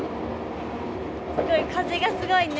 すごい風がすごいね。